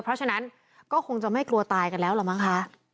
เพราะฉะนั้นก็คงจะไม่กลัวตายกันแล้วล่ะมั้งคะ